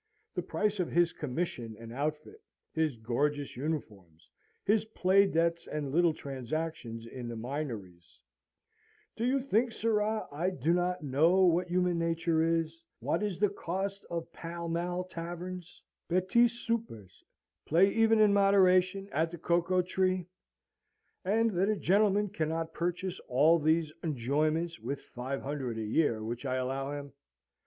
the price of his commission and outfit; his gorgeous uniforms; his play debts and little transactions in the Minories; do you think, sirrah, I do not know what human nature is; what is the cost of Pall Mall taverns, petits soupers, play even in moderation at the Cocoa Tree; and that a gentleman cannot purchase all these enjoyments with the five hundred a year which I allow him?